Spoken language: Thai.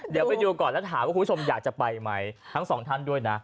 เดี๋ยวไปดูก่อนแล้วถามว่าคุณผู้ชมอยากจะไปไหมทั้งสองท่านด้วยนะ